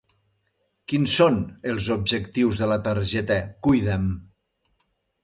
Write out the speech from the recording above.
Quins són els objectius de la targeta Cuida'm?